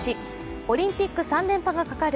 オリンピック３連覇がかかる